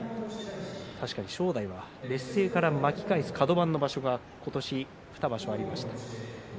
確かに正代は劣勢から巻き返すカド番の場所が今年２場所、ありました。